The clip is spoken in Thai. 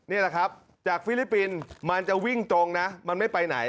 นี่แหละครับจากฟิลิปปินส์มันจะวิ่งตรงนะมันไม่ไปไหน